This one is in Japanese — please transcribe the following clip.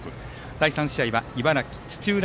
第３試合は茨城・土浦